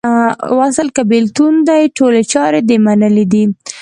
وصل که بیلتون دې ټولي چارې دې منلې دي